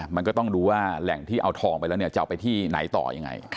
มันก็ต้องดูว่าแหล่งที่เอาทองไปแล้วเนี่ยจะเอาไปที่ไหนต่อยังไง